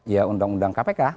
ya undang undang kpk